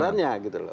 peraturannya gitu loh